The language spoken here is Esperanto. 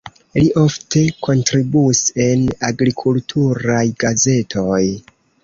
Li ofte kontribuis en agrikulturaj gazetoj.